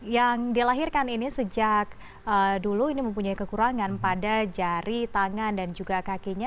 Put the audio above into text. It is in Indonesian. yang dilahirkan ini sejak dulu ini mempunyai kekurangan pada jari tangan dan juga kakinya